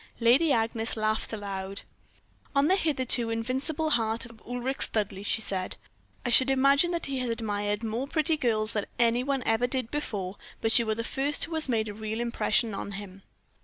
"Lady Agnes laughed aloud. "'On the hitherto invincible heart of Ulric Studleigh,' she said. 'I should imagine that he has admired more pretty girls than any one ever did before, but you are the first who has made a real impression on him.'